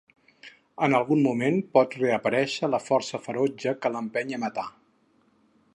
En algun moment pot reaparèixer la força ferotge que l'empeny a matar.